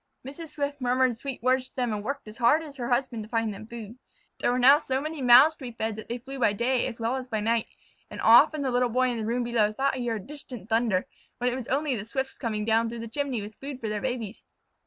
Mrs. Swift murmured sweet words to them and worked as hard as her husband to find them food. There were now so many mouths to be fed that they flew by day as well as by night, and often the Little Boy in the room below thought he heard distant thunder when it was only the Swifts coming down the chimney with food for their babies.